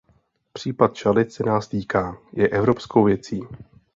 Případ Šalit se nás týká, je evropskou věcí.